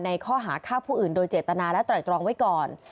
ข้อหาฆ่าผู้อื่นโดยเจตนาและไตรตรองไว้ก่อน